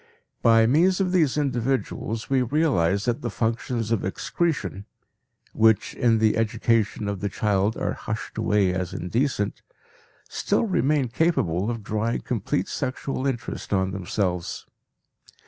By means of these individuals we realize that the functions of excretion, which in the education of the child are hushed away as indecent, still remain capable of drawing complete sexual interest on themselves.